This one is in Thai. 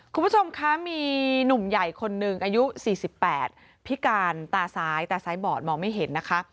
คุณผู้ชมคะมีหนุ่มใหญ่คนหนึ่งอายุ๔๘พิการตาซ้ายตาซ้ายบอดมองไม่เห็นนะคะ